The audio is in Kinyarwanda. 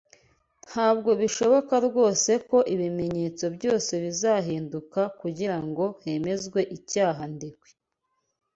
Ntabwo bishoboka rwose ko ibimenyetso byose bizahinduka kugirango hemezwe icyaha Ndekwe.